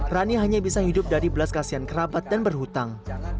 rani hanya bisa hidup dari belas kasihan kerabat dan berhutang